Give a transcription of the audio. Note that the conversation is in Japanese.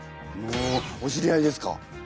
おおお知り合いですか？